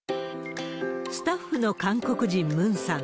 スタッフの韓国人、ムンさん。